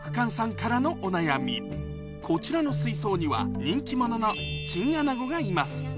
こちらの水槽には人気者のチンアナゴがいます